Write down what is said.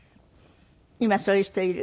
今そういう人いる？